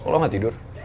lo gak tidur